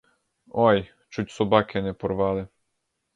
Ой, чуть собаки не порвали!